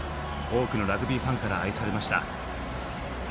多くのラグビーファンから愛されました。